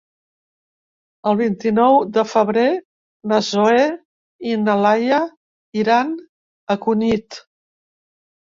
El vint-i-nou de febrer na Zoè i na Laia iran a Cunit.